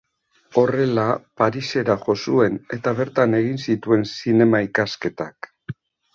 Horrela, Parisera jo zuen, eta bertan egin zituen zinema ikasketak.